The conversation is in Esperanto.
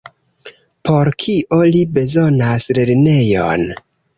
Por kio li bezonas lernejon?